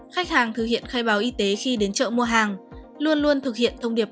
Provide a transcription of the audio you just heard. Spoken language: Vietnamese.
khách hàng thực hiện khai báo y tế khi đến chợ mua hàng luôn luôn thực hiện thông điệp